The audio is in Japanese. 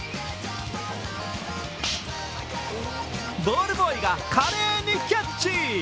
ボールボーイが華麗にキャッチ。